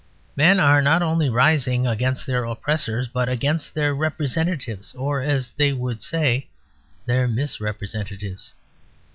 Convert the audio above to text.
Men are not only rising against their oppressors, but against their representatives or, as they would say, their misrepresentatives.